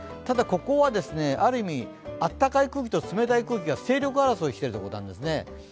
ただここはある意味、あったかい空気と冷たい空気が勢力争いしてるところなんですね。